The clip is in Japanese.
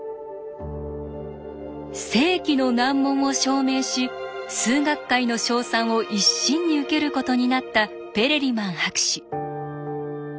世紀の難問を証明し数学界の称賛を一身に受けることになったペレリマン博士。